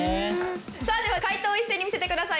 さあでは解答を一斉に見せてください。